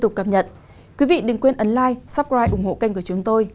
quý vị đừng quên ấn like subscribe ủng hộ kênh của chúng tôi